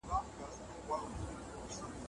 د نجونو میندې د پاچا له ظلم څخه په عذاب وې.